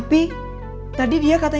mest similar dengan fb